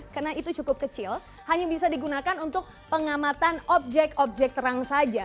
karena itu cukup kecil hanya bisa digunakan untuk pengamatan objek objek terang saja